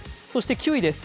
９位です。